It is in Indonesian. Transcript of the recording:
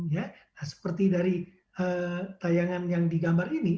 nah seperti dari tayangan yang digambar ini